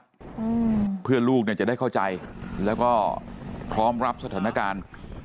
อืมเพื่อลูกเนี้ยจะได้เข้าใจแล้วก็พร้อมรับสถานการณ์